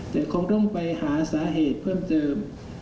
แต่คงต้องไปหาสาเหตุเพิ่มเติม